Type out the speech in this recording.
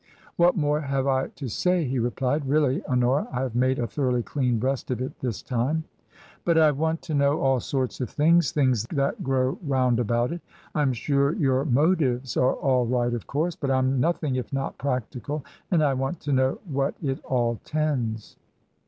"What more have I to say?" he replied. "Really, Hoxiora, I have made a thoroughly clean breast of it this time." " But I want to know all sorts of things — things that grow round about it. Fm sure your motives are all right, of course. But Tm nothing if not practical, and I want to know to what it all tends